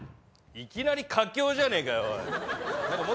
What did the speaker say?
いきなり佳境じゃねえかよおい。